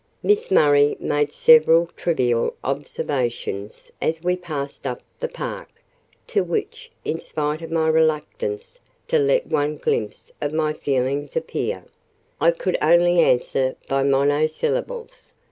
Miss Murray made several trivial observations as we passed up the park, to which (in spite of my reluctance to let one glimpse of my feelings appear) I could only answer by monosyllables.